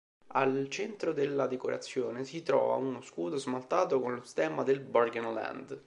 Al centro della decorazione si trova uno scudo smaltato con lo stemma del Burgenland.